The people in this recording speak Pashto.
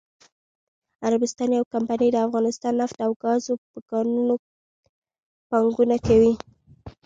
عربستان یوه کمپنی دافغانستان نفت او ګازو په کانونو پانګونه کوي.😱